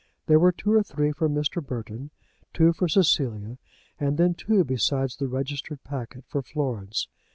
There were two or three for Mr. Burton, two for Cecilia, and then two besides the registered packet for Florence.